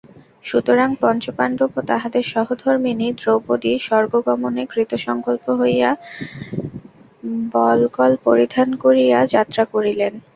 সুতরাং পঞ্চপাণ্ডব ও তাঁহাদের সহধর্মিণী দ্রৌপদী স্বর্গগমনে কৃতসঙ্কল্প হইয়া বল্কল পরিধান করিয়া যাত্রা করিলেন।